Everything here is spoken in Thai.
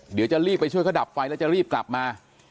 เดี๋ยวจะรีบไปช่วยเขาดับไฟแล้วจะรีบกลับมา